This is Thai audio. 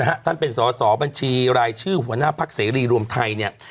ท่านเป็นสอสอบัญชีรายชื่อหัวหน้าพักเสรีรวมไทยเนี่ย